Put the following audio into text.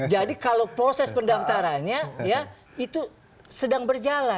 jadi kalau proses pendaftarannya ya itu sedang berjalan